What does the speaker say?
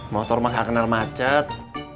motor mah gak kenal macet